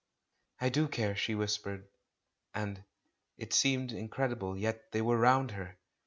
"I do care," she whispered, and — It seemed incredible, yet they were round her